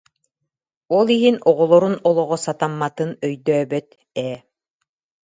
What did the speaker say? Ол иһин оҕолорун олоҕо сатамматын өйдөөбөт ээ